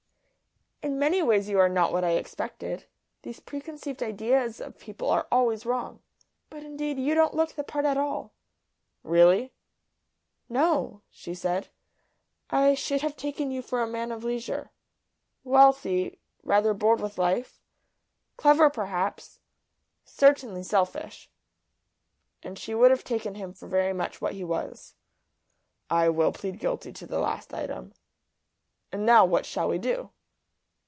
"In many ways you are not what I expected. These preconceived ideas of people are always wrong. But indeed you don't look the part at all." "Really?" "No," she said. "I should have taken you for a man of leisure wealthy rather bored with life clever perhaps certainly selfish." And she would have taken him for very much what he was. "I will plead guilty to the last item. And now, what shall we do?"